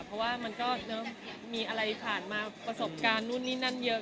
เพราะว่ามันก็มีอะไรผ่านมาประสบการณ์นู่นนี่นั่นเยอะ